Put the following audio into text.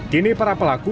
kini para pelaku